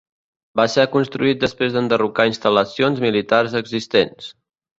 Va ser construït després d'enderrocar instal·lacions militars existents.